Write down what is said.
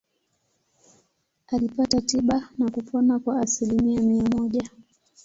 Alipata tiba na kupona kwa asilimia mia moja.